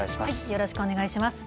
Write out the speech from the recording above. よろしくお願いします。